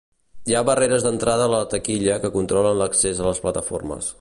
Hi ha barreres d'entrada a la taquilla que controlen l'accés a les plataformes.